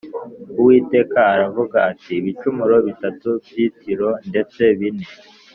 Uwiteka aravuga ati “Ibicumuro bitatu by’i Tiro, ndetse bine